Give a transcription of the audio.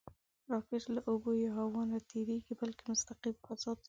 راکټ له اوبو یا هوا نه نهتېرېږي، بلکې مستقیم فضا ته ځي